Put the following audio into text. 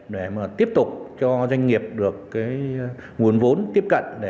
để tiếp tục cho doanh nghiệp được nguồn vốn tiếp cận